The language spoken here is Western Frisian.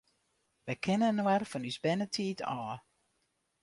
Wy kenne inoar fan ús bernetiid ôf.